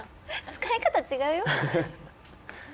使い方、違うよ。